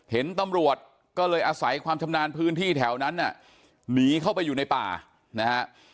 เห็นตำรวจก็เลยอาศัยความชำนาญพื้นที่แถวนั้นน่ะหนีเข้าไปอยู่ในป่านะฮะ